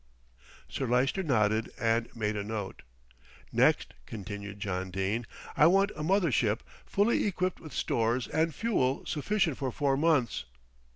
Sir Lyster nodded and made a note. "Next," continued John Dene, "I want a mothership fully equipped with stores and fuel sufficient for four months."